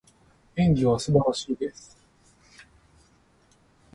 演奏は素晴らしいです。